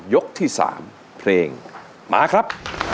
ยกที่๓เพลงมาครับ